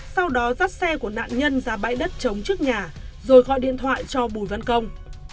sau đó dắt xe của nạn nhân ra bãi đất chống trước nhà rồi gọi điện thoại cho bùi văn công